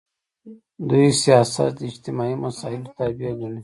دوی سیاست د اجتماعي مسایلو تابع ګڼي.